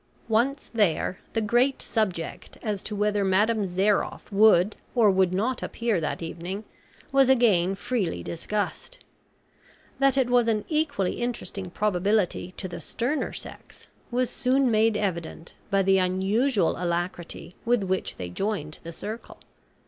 Once there the great subject as to whether Madame Zairoff would or would not appear that evening, was again freely discussed. That it was an equally interesting probability to the sterner sex was soon made evident by the unusual alacrity with which they joined the circle.